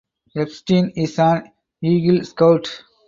Epstein is an Eagle Scout.